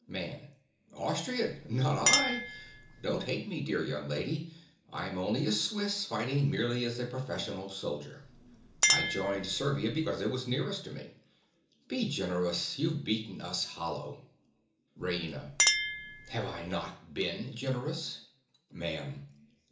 MAN. Austrian! not I. Don't hate me, dear young lady. I am only a Swiss, fighting merely as a professional soldier. I joined Servia because it was nearest to me. Be generous: you've beaten us hollow. RAINA. Have I not been generous? MAN.